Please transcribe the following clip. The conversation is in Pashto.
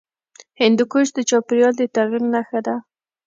هندوکش د چاپېریال د تغیر نښه ده.